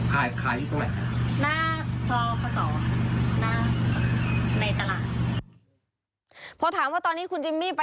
เขาตามมา๓ปีแล้วค่ะ